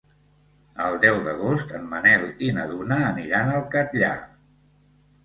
El deu d'agost en Manel i na Duna aniran al Catllar.